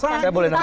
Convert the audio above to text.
saya boleh nambah